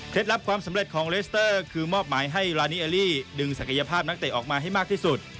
ลับความสำเร็จของเลสเตอร์คือมอบหมายให้ลานีเอลลี่ดึงศักยภาพนักเตะออกมาให้มากที่สุด